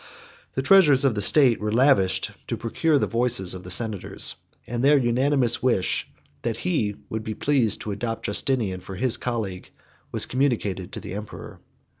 The treasures of the state were lavished to procure the voices of the senators, and their unanimous wish, that he would be pleased to adopt Justinian for his colleague, was communicated to the emperor.